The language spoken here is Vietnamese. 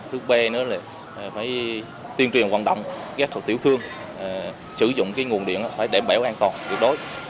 thứ ba là phải tuyên truyền hoạt động ghét hộ tiểu thương sử dụng nguồn điện để đảm bảo an toàn